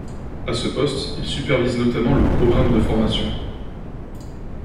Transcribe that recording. À ce poste, il supervise notamment le programme de formation '.